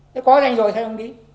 nếu có thì anh rồi sao không đi